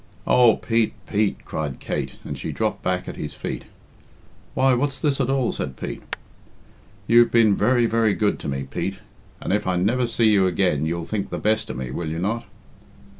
"Oh, Pete, Pete!" cried Kate, and she dropped back at his feet "Why, what's this at all?" said Pete. "You've been very, very good to me, Pete, and if I never see you again you'll think the best of me, will you not?"